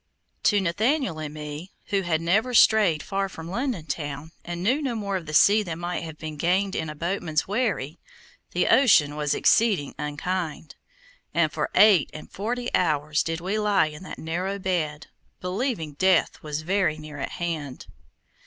To Nathaniel and me, who had never strayed far from London town, and knew no more of the sea than might have been gained in a boatman's wherry, the ocean was exceeding unkind, and for eight and forty hours did we lie in that narrow bed, believing death was very near at hand.